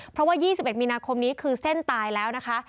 เพราะว่า๒๑มีนาคมนี้คือเส้นตายแล้วนะคะ